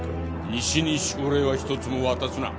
西に症例は一つも渡すな。